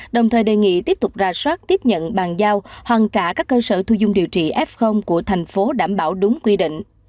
đồng thời đề nghị tiếp tục ra soát tiếp nhận bàn giao hoàn trả các cơ sở thu dung điều trị f của thành phố đảm bảo đúng quy định